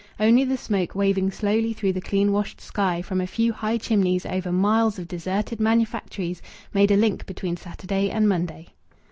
Only the smoke waving slowly through the clean washed sky from a few high chimneys over miles of deserted manufactories made a link between Saturday and Monday.